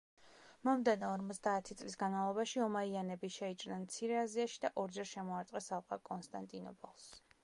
მომდევნო ორმოცდაათი წლის განმავლობაში ომაიანები შეიჭრნენ მცირე აზიაში და ორჯერ შემოარტყეს ალყა კონსტანტინოპოლს.